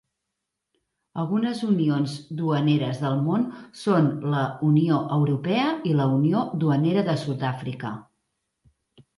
Algunes unions duaneres del món són la Unió Europea i la Unió Duanera de Sud-àfrica.